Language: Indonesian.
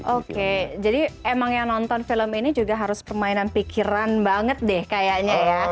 oke jadi emang yang nonton film ini juga harus permainan pikiran banget deh kayaknya ya